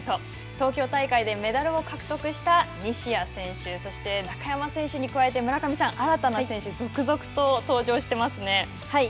東京大会でメダルを獲得した西矢選手そして、中山選手に加えて村上さん、新たな選手が続々と登場してはい。